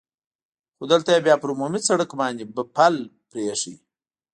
خو دلته یې بیا پر عمومي سړک باندې پل پرې اېښی.